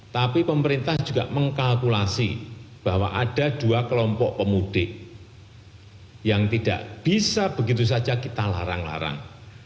tapi pemerintah juga mengkalkulasi bahwa ada dua kelompok pemudik yang tidak bisa begitu saja kita larang larang